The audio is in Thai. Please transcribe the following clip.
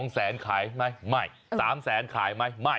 ๓แสนขายไหมไม่